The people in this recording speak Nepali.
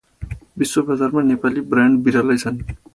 विश्वबजारमा नेपाली ब्रान्ड बिरलै छन् ।